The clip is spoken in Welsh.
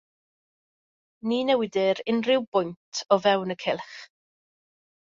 Ni newidir unrhyw bwynt o fewn y cylch.